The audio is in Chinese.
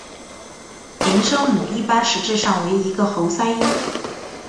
零声母一般实质上为一个喉塞音。